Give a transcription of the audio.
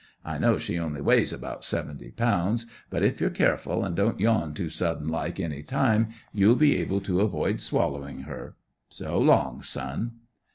I know she only weighs about seventy pounds, but if you're careful, an' don't yawn too sudden like any time, you'll be able to avoid swallowing her. So long, son!"